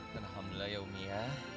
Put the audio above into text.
dan alhamdulillah ya umi ya